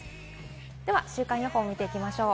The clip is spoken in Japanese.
では週間予報を見ていきましょう。